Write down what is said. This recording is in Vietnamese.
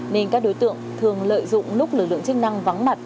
nên các đối tượng thường lợi dụng lúc lực lượng chức năng vắng mặt